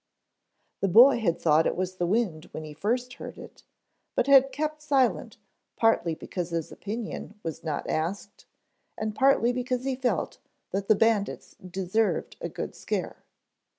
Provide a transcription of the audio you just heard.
The boy had thought it was the wind when he first heard it, but had kept silent partly because his opinion was not asked and partly because he felt that the bandits deserved a good scare.